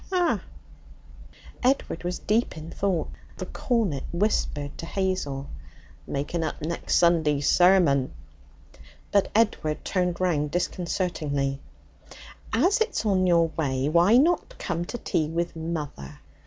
'Ah.' Edward was deep in thought. The cornet whispered to Hazel: 'Making up next Sunday's sermon!' But Edward turned round disconcertingly. 'As it's on your way, why not come to tea with mother?